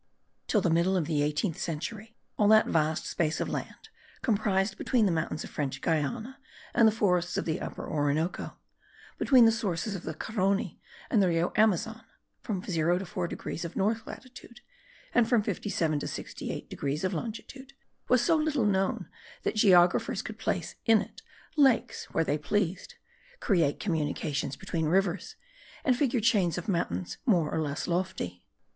Till the middle of the eighteenth century, all that vast space of land comprised between the mountains of French Guiana and the forests of the Upper Orinoco, between the sources of the Carony and the River Amazon (from 0 to 4 degrees of north latitude, and from 57 to 68 degrees of longitude), was so little known that geographers could place in it lakes where they pleased, create communications between rivers, and figure chains of mountains more or less lofty.